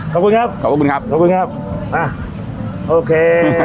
ขอบคุณครับขอบคุณครับขอบคุณครับอ่ะโอเค